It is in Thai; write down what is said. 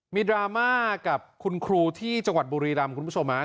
ดราม่ากับคุณครูที่จังหวัดบุรีรำคุณผู้ชม